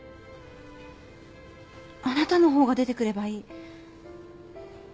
あなたのほうが出てくればいい。